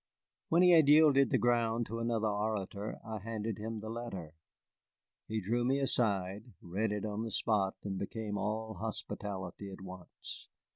When he had yielded the ground to another orator, I handed him the letter. He drew me aside, read it on the spot, and became all hospitality at once.